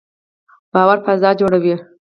باور فضا جوړوي